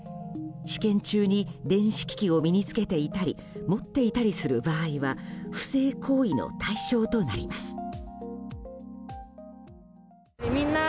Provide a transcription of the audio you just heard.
試験中に電子機器を身に着けていたり持っていたりする場合は不正行為の対象となります。